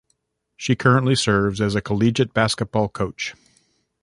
She currently serves as a collegiate basketball coach.